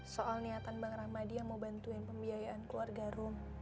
soal niatan bang rahmai yang mau bantuin pembiayaan keluarga room